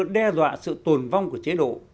đe dọa sự tồn vong của chế độ